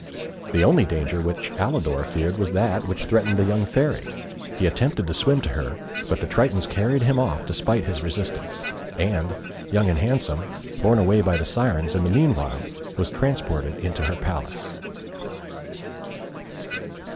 The only danger which Alidor feared was that which threatened the young Fairy. He attempted to swim to her, but the Tritons carried him off despite his resistance, and Young and Handsome, borne away by the Syrens in the meanwhile, was transported into her palace.